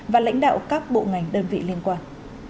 và lãnh đạo các bộ ngành đơn vị liên quan